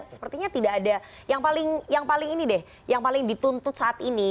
sepertinya tidak ada yang paling dituntut saat ini